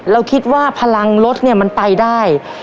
เราคิดว่าพลังรถเนี่ยมันไปได้